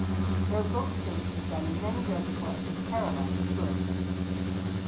There are boat services done in many reservoirs in Kerala for tourists.